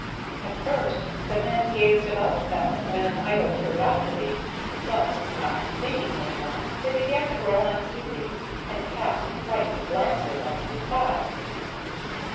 At first the men gazed about them with an idle curiosity, but, not seeing anyone, they began to grow uneasy, and to cast frightened glances on every side.